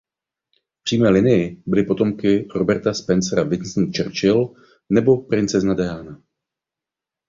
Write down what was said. V přímé linii byli potomky Roberta Spencera Winston Churchill nebo princezna Diana.